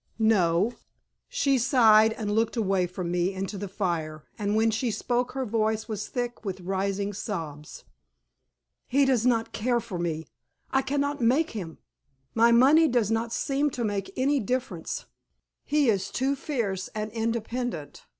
"No." She sighed and looked away from me into the fire, and when she spoke her voice was thick with rising sobs. "He does not care for me. I cannot make him! My money does not seem to make any difference. He is too fierce and independent.